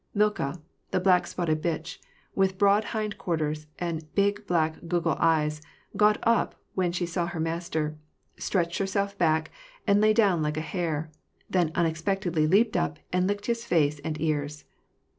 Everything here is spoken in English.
Milka, the black spotted bitch, with broi^ hind quarters, and big black goggle eyes, got up when she saw her master, stretched herself bock, and lay down like a hare ; then unex pectedly leaped up and licked his face and ears.